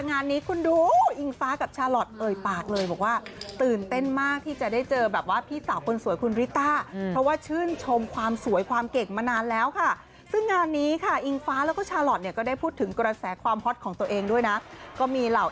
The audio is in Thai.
งานนี้คุณดูอิงฟ้ากับชาหลอดเปิดปากเลยบอกว่าตื่นเต้นมากที่จะได้เจอแบบว่าพี่สาวคนสวยคุณลิริต้า